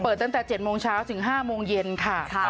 ตั้งแต่๗โมงเช้าถึง๕โมงเย็นค่ะ